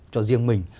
cho riêng mình